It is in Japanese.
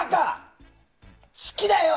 好きだよ！